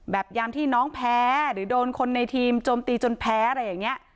ยามที่น้องแพ้หรือโดนคนในทีมโจมตีจนแพ้อะไรอย่างนี้